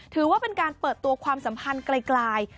ถือว่าเป็นการเปิดตัวความสัมพันธ์ไกล